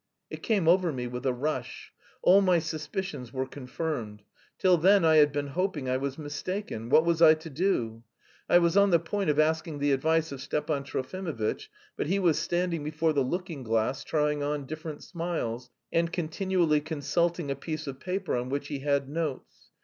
It came over me with a rush. All my suspicions were confirmed. Till then, I had been hoping I was mistaken! What was I to do? I was on the point of asking the advice of Stepan Trofimovitch, but he was standing before the looking glass, trying on different smiles, and continually consulting a piece of paper on which he had notes.